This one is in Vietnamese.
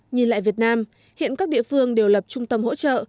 nhìn lại việt nam hiện các địa phương đều lập trung tâm hỗ trợ